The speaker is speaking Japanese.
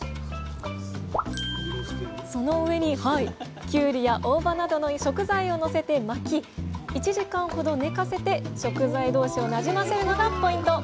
その上にきゅうりや大葉などの食材をのせて巻き１時間ほど寝かせて食材同士をなじませるのがポイント